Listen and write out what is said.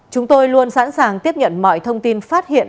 chúng tôi luôn sẵn sàng tiếp nhận mọi thông tin phát hiện